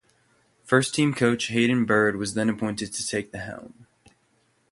First team coach Hayden Bird was then appointed to take the helm.